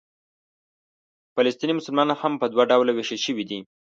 فلسطیني مسلمانان هم په دوه ډوله وېشل شوي دي.